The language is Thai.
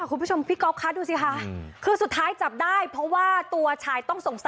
โอ้โหเรียบร้อย